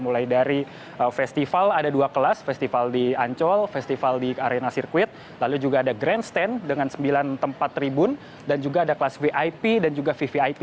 mulai dari festival ada dua kelas festival di ancol festival di arena sirkuit lalu juga ada grandstand dengan sembilan tempat tribun dan juga ada kelas vip dan juga vvip